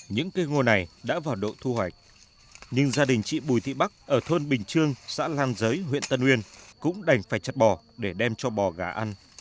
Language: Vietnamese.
những cây ngô này đã vào độ thu hoạch nhưng gia đình chị bùi thị bắc ở thôn bình chương xã lan giới huyện tân yên cũng đành phải chặt bò để đem cho bò gà ăn